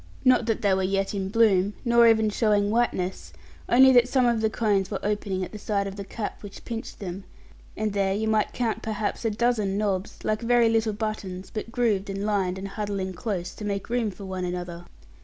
Not that they were yet in bloom, nor even showing whiteness, only that some of the cones were opening at the side of the cap which pinched them; and there you might count perhaps, a dozen nobs, like very little buttons, but grooved, and lined, and huddling close, to make room for one another.